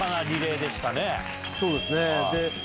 そうですね。